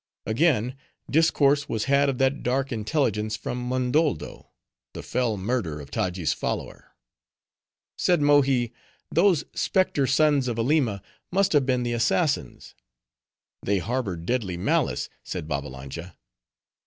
Again discourse was had of that dark intelligence from Mondoldo,—the fell murder of Taji's follower. Said Mohi, "Those specter sons of Aleema must have been the assassins." "They harbored deadly malice," said Babbalanja.